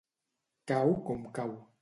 Cau com cau.